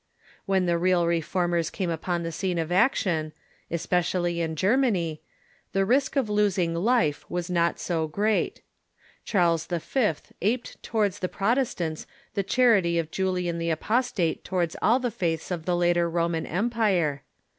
When the real Reformers came upon the scene of action, es pecially in Germany, the risk of losing life was not so great. Charles V. aped towards the Protestants the charity of Julian tlie Apostate towards all the faiths of the later Roman Em pire.